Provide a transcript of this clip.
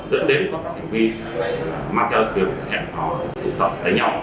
dẫn đến các hành vi mang theo lực kiểm hẹn hòa tụ tập đánh nhau